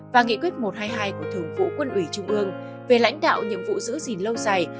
và nghị quyết một trăm hai mươi hai của thường vụ quân ủy trung ương về lãnh đạo nhiệm vụ giữ gìn lâu dài